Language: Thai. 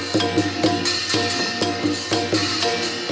สวัสดีครับ